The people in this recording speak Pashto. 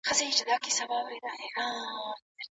ما په خپله څوکۍ کې د یوې رښتنې پښتنې پېغلې عزت ولید.